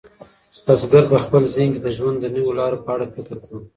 بزګر په خپل ذهن کې د ژوند د نویو لارو په اړه فکر کاوه.